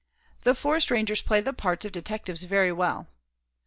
The forest rangers play the parts of detectives very well.